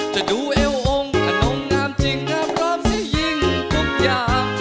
จะดูเอวองค์ขนมงามจริงงามพร้อมสิยิ่งทุกอย่าง